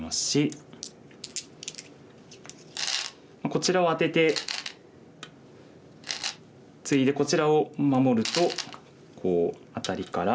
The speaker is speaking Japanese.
こちらをアテてツイでこちらを守るとこうアタリから。